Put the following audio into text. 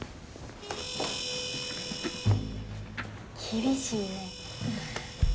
厳しいね。